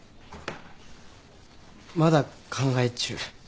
まだ考え中。